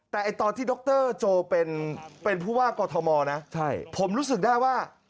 แต่ตอนที่ดรโจเป็นผู้ว่ากอทมนะผมรู้สึกได้ว่า